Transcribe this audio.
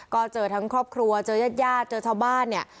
ก็เจอทั้งครอบครัวเจอยาดเจอชาวบ้านเนี่ย